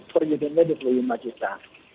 per unitnya dua puluh lima juta